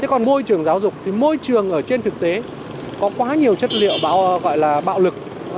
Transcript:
còn môi trường giáo dục thì môi trường ở trên thực tế có quá nhiều chất liệu gọi là bạo lực